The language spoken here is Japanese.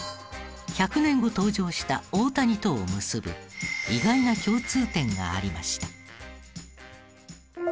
１００年後登場した大谷とを結ぶ意外な共通点がありました。